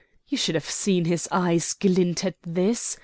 You should have seen his eyes glint at this.